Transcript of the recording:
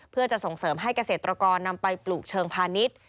เพื่อจะส่งเสริมให้เกษตรกรนำไปปลูกเชิงพาณิชย์